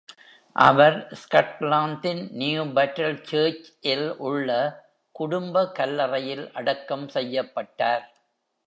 அவர் ஸ்காட்லாந்தின் Newbattle Church-இல் உள்ள குடும்ப கல்லறையில் அடக்கம் செய்யப்பட்டார்.